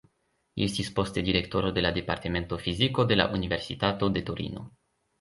Li estis poste direktoro de la Departemento Fiziko de la Universitato de Torino.